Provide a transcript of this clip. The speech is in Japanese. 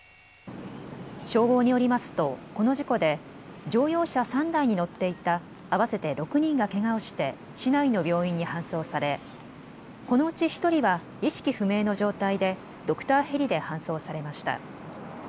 消防によりますとこの事故で乗用車３台に乗っていた合わせて６人がけがをして市内の病院に搬送され、このうち１人は意識不明の状態でドクターヘリで搬送されました。